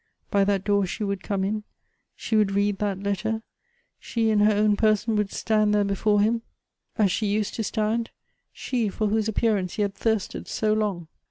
By that door she would come in; she would read that letter; she in her own person would stand there before him as she used to stand ; she for whose appearance he had thirsted so long.